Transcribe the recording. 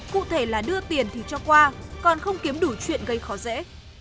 cụ thể là đưa tiền thì cho qua còn không kiếm đủ chuyện gây khó dễ